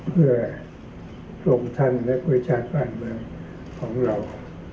เพื่อลงทันและเวชาภาคเมืองของเรา